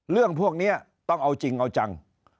เรื่องพวกนี้ต้องเอาจริงเอาจัง